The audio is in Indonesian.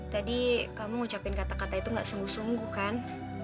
tadi kamu ngucapin kata kata itu gak sungguh sungguh kan